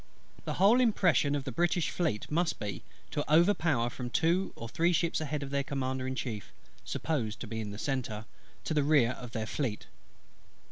The whole impression of the British Fleet must be, to overpower from two or three ships ahead of their Commander in Chief (supposed to be in the centre) to the rear of their Fleet.